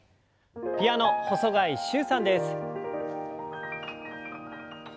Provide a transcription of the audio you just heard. ピアノ細貝柊さんです。